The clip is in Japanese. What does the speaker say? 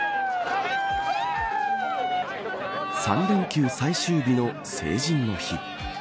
３連休最終日の成人の日